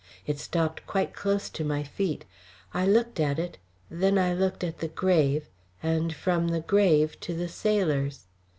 It stopped quite close to my feet. I looked at it, then I looked at the grave, and from the grave to the sailors.